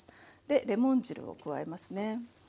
でレモン汁を加えますね。